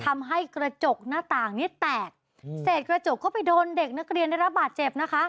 ทำให้กระจกหน้าต่างนี้แตกเสร็จกระจกก็ไปโดนเด็กนักเรียนได้รับบาดเจ็บนะคะ